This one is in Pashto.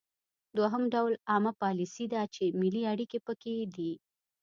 دوهم ډول عامه پالیسي ده چې ملي اړیکې پکې دي